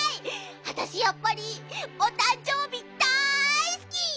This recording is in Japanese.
あたしやっぱりおたんじょうびだいすき！